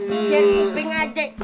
ini punya iping adek